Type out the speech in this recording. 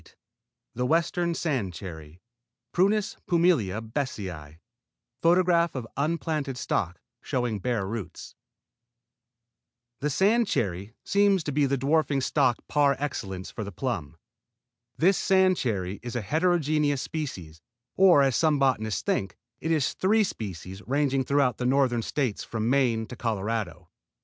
8 THE WESTERN SAND CHERRY Prunus pumila besseyi] The sand cherry seems to be the dwarfing stock par excellence for the plum. This sand cherry is a heterogeneous species, or as some botanists think, is three species, ranging throughout the Northern States from Maine to Colorado.